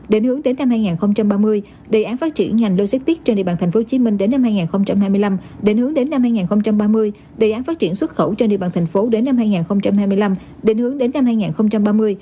để hướng đến năm hai nghìn ba mươi đề án phát triển ngành lôi xét tiết trên địa bàn tp hcm đến năm hai nghìn hai mươi năm để hướng đến năm hai nghìn ba mươi đề án phát triển xuất khẩu trên địa bàn tp hcm đến năm hai nghìn hai mươi năm để hướng đến năm hai nghìn ba mươi